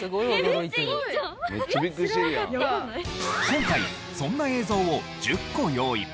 今回そんな映像を１０個用意。